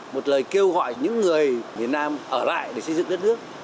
một lời kêu gọi những người miền nam ở lại để xây dựng đất nước